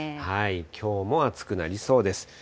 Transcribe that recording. きょうも暑くなりそうです。